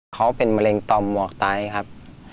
เขาเป็นมะเร็งตอมหมวกตายครับ